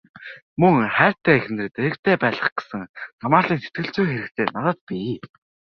Мөн хайртай эхнэрээ дэргэдээ байлгах гэсэн хамаарлын сэтгэлзүйн хэрэгцээ надад бий.